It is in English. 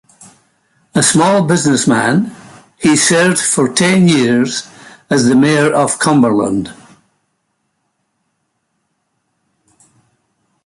A small businessman, he served for ten years as the Mayor of Cumberland.